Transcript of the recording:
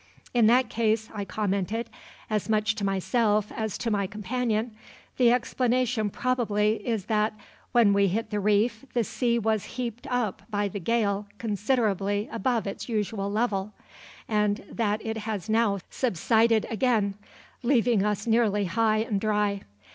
"In that case," I commented, as much to myself as to my companion, "the explanation probably is that when we hit the reef the sea was heaped up by the gale considerably above its usual level, and that it has now subsided again, leaving us nearly high and dry.